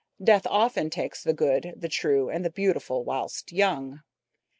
Death often takes the good, the true, and the beautiful whilst young.